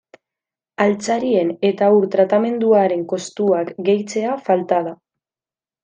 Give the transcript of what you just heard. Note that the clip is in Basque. Altzarien eta ur tratamenduaren kostuak gehitzea falta da.